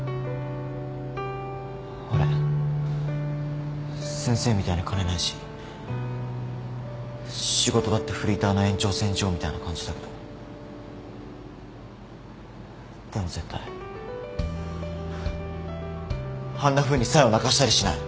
俺先生みたいに金ないし仕事だってフリーターの延長線上みたいな感じだけどでも絶対あんなふうに冴を泣かせたりしない。